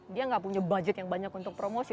dia nggak punya budget yang banyak untuk promosi